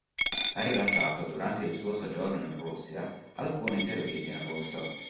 Ha rilasciato, durante il suo soggiorno in Russia, alcune interviste in russo.